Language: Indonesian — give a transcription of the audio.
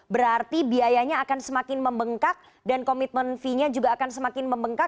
berarti biayanya akan semakin membengkak dan komitmen fee nya juga akan semakin membengkak